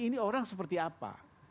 ini orang seperti apa